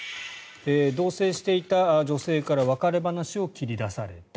同棲していた女性から別れ話を切り出された。